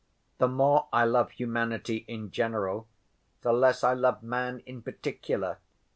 The more I love humanity in general, the less I love man in particular.